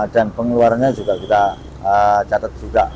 dan pengeluarannya juga kita catat juga